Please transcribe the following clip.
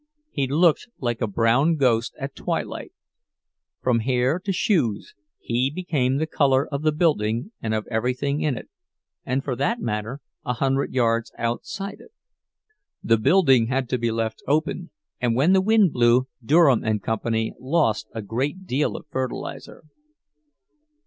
He looked like a brown ghost at twilight—from hair to shoes he became the color of the building and of everything in it, and for that matter a hundred yards outside it. The building had to be left open, and when the wind blew Durham and Company lost a great deal of fertilizer.